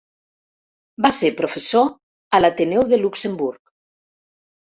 Va ser professor a l'Ateneu de Luxemburg.